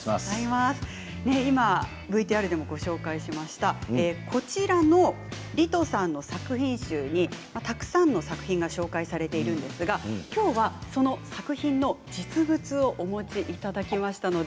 今、ＶＴＲでもご紹介しましたこちらのリトさんの作品集にたくさんの作品が紹介されているんですがきょうは、その作品の実物をお持ちいただきました。